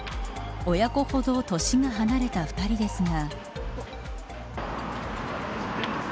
親子ほど年が離れた２人ですが。